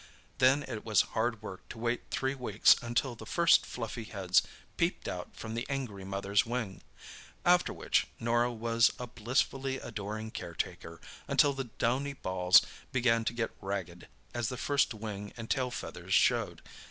Then it was hard work to wait three weeks until the first fluffy heads peeped out from the angry mother's wing, after which Norah was a blissfully adoring caretaker until the downy balls began to get ragged, as the first wing and tail feathers showed.